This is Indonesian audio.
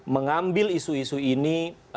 mengambil isu isu ini